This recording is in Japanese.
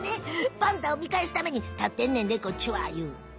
パンダを見かえすために立ってんねんでこっちはいう。